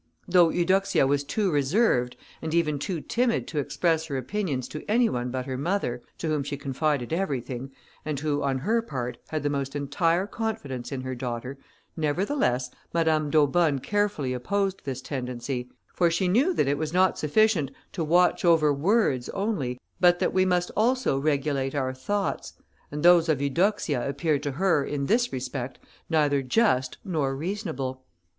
Though Eudoxia was too reserved, and even too timid to express her opinions to any one but her mother, to whom she confided everything, and who, on her part, had the most entire confidence in her daughter, nevertheless Madame d'Aubonne carefully opposed this tendency; for she knew that it was not sufficient to watch over words only, but that we must also regulate our thoughts; and those of Eudoxia appeared to her, in this respect, neither just nor reasonable.